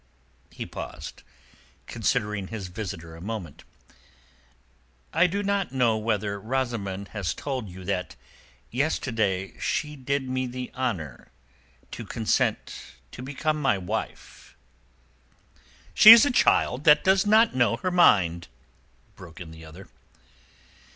He paused, considering his visitor a moment. "I do not know whether Rosamund has told you that yesterday she did me the honour to consent to become my wife...." "She is a child that does not know her mind," broke in the other.